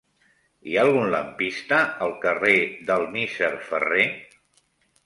Hi ha algun lampista al carrer del Misser Ferrer?